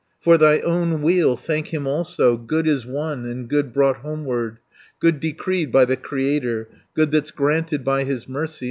380 "For thy own weal thank him also; Good is won, and good brought homeward: Good decreed by the Creator, Good that's granted by his mercy.